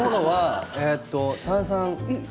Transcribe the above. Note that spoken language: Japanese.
炭酸。